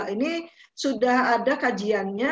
ini sudah ada kajiannya